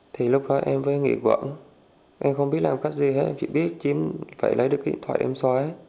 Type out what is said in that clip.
thì lúc đó em vẫn nghỉ quẩn em không biết làm cách gì hết em chỉ biết em phải lấy được cái điện thoại em xói